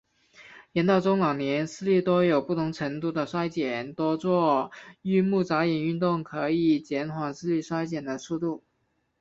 人到中老年，视力多有不同程度地衰减，多做运目眨眼运动可以减缓视力衰减的速度。